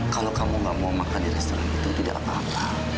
kalau kamu gak mau makan di restoran itu tidak apa apa